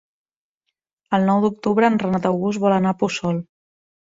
El nou d'octubre en Renat August vol anar a Puçol.